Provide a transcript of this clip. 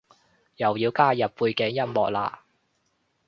又要加入背景音樂喇？